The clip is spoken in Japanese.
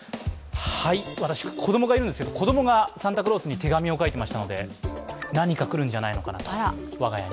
私、子供がいるんですけど、子供がサンタクロースに手紙を書いていたので何か来るんじゃないのかなと。